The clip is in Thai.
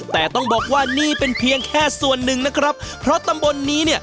แต่ต้องบอกว่านี่เป็นเพียงแค่ส่วนหนึ่งนะครับเพราะตำบลนี้เนี่ย